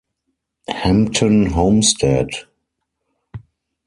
Hampton Homestead.